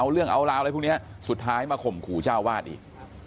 เอาเรื่องเอาราวอะไรพวกนี้สุดท้ายมาข่มขู่เจ้าวาดอีก